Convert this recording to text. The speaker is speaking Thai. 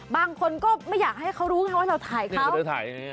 บางคนก็ไม่อยากให้เขารู้ไงว่าเราถ่ายเขา